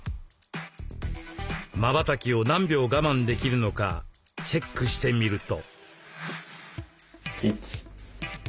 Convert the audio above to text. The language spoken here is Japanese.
まばたきを何秒我慢できるのかチェックしてみると。